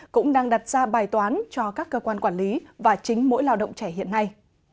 cũng đang đặt ra bài toán cho các cơ quan quản lý và chính mỗi lao động trẻ hiện nay